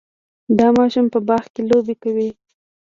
دا ماشوم په باغ کې لوبې کوي.